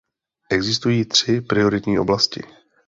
Existují tři prioritní oblasti.